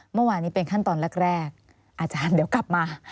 เมื่อวานนี้เป็นขั้นตอนแรกอาจารย์เดี๋ยวกลับมา